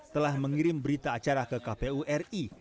telah mengirim berita acara ke kpu ri